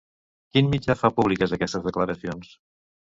Quin mitjà fa públiques aquestes declaracions?